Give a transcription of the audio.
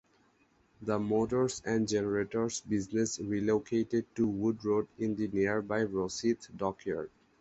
The motors and generators business relocated to Wood Road in the nearby Rosyth dockyard.